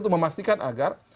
untuk memastikan agar